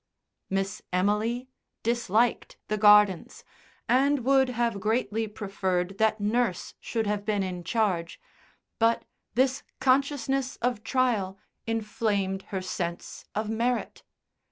Miss Emily disliked the gardens, and would have greatly preferred that nurse should have been in charge, but this consciousness of trial inflamed her sense of merit.